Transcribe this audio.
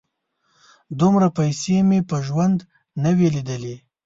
_دومره پيسې مې په ژوند نه وې لېدلې.